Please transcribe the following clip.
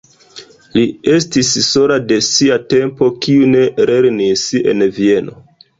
Li estis sola de sia tempo, kiu ne lernis en Vieno.